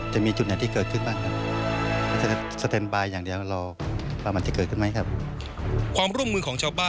จะมีจุดอย่างที่เกิดขึ้นไหมครับ